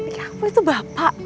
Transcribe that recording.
laki laki itu bapak